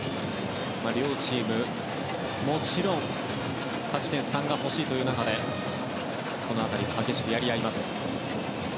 両チーム、もちろん勝ち点３が欲しいという中で激しくやり合います。